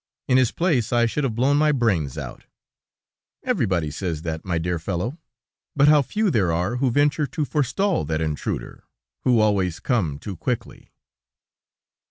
"In his place, I should have blown my brains out." "Everybody says that, my dear fellow, but how few there are who venture to forestall that intruder, who always come too quickly."